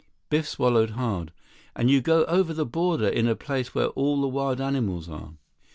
Biff swallowed hard. "And you go over the border in a place where all the wild animals are?"